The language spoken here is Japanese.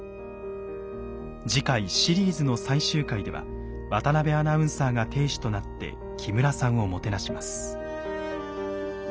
次回シリーズの最終回では渡邊アナウンサーが亭主となって木村さんをもてなします。